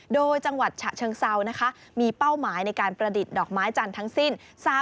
โดยจังหวัดฉะเชิงเซานะคะมีเป้าหมายในการประดิษฐ์ดอกไม้จันทร์ทั้งสิ้น